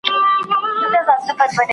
¬ چيټ که د بل دئ، بدن خو دي خپل دئ.